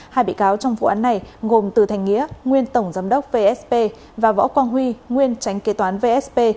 hai bị cáo trong vụ án này gồm từ thành nghĩa nguyên tổng giám đốc vsp và võ quang huy nguyên tránh kế toán vsp